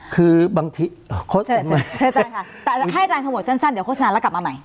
คือบางทีโอ้เชิญค่ะแต่ให้จังทั้งหมดสั้นเดี๋ยวโฆษณาแล้วกลับมาใหม่